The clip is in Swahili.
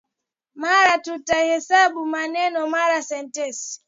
Mara tutahesabu maneno mara sentensi